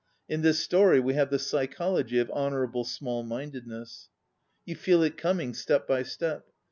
In this story we have the psychology of honorable small mindedness. You fed it coming, step by step.